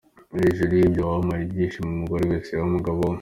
Hejuru y’ibyo wampaye ibyishimo umugore wese yaha umugabo we.